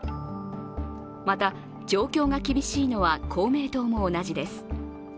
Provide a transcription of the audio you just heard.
また、状況が厳しいのは公明党も同じです。